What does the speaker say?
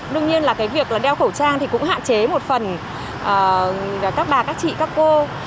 đương nhiên là cái việc là đeo khẩu trang thì cũng hạn chế một phần các bà các chị các cô